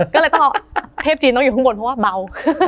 ก็เลยต้องเอาเทพจีนต้องอยู่ข้างบนเพราะว่าเบา